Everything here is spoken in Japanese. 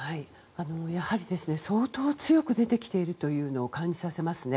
やはり相当強く出てきているというのを感じさせますね。